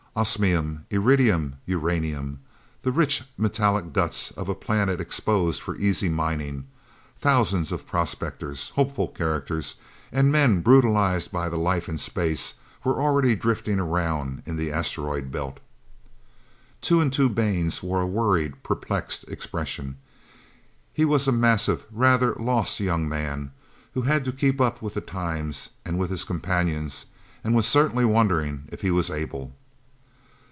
Osmium, iridium, uranium. The rich, metallic guts of a planet exposed for easy mining. Thousands of prospectors, hopeful characters, and men brutalized by the life in space, were already drifting around in the Asteroid Belt. Two and Two Baines wore a worried, perplexed expression. He was a massive, rather lost young man who had to keep up with the times, and with his companions, and was certainly wondering if he was able.